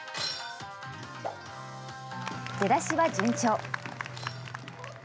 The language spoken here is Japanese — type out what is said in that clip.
出だしは順調。